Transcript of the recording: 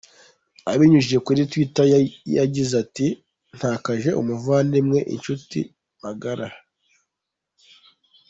Abinyujije kuri twitter yagize ati: "Ntakaje umuvandimwe, inshuti magara.